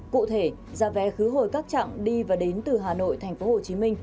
cụ thể ra vé khứ hồi các chặng đi và đến từ hà nội tp hcm